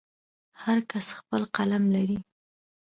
هر کس خپل قلم لري.